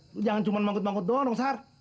lu jangan cuma mangkut mangkut doang dong sar